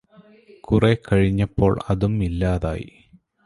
കുറെ കഴിഞ്ഞപ്പോള് അതും ഇല്ലാതായി